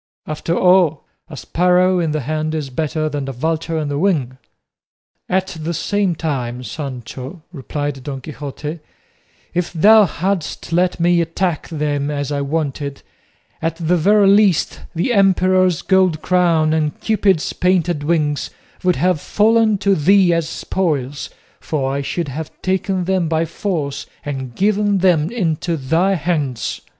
After all, 'a sparrow in the hand is better than a vulture on the wing.'" "At the same time, Sancho," replied Don Quixote, "if thou hadst let me attack them as I wanted, at the very least the emperor's gold crown and Cupid's painted wings would have fallen to thee as spoils, for I should have taken them by force and given them into thy hands."